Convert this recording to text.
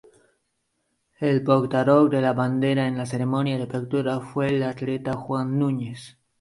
El portador de la bandera en la ceremonia de apertura fue atleta Juan Núñez.